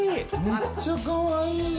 めっちゃかわいい！